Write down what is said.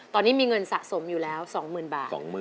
ตอนนี้มีเงินสะสมอยู่แล้ว๒๐๐๐บาท